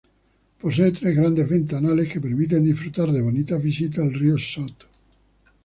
Posee tres grandes ventanales que permiten disfrutar de bonitas vistas al río Sot.